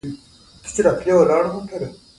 د پکتیکا خلک دیني ارزښتونو ته ډېر درناوی لري.